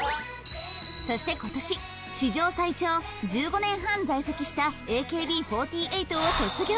そして今年史上最長１５年半在籍したＡＫＢ４８を卒業。